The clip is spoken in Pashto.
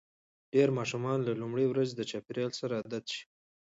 ډېری ماشومان له لومړۍ ورځې د چاپېریال سره عادت شي.